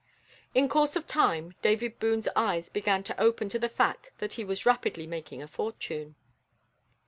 In course of time David Boone's eyes began to open to the fact that he was rapidly making a fortune.